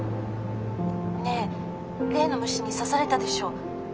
ねえ例の虫に刺されたでしょ？